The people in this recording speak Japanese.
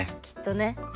きっとね。